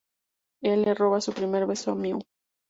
Él le roba su primer beso a miu.